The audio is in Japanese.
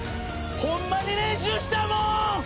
ホンマに練習したもん！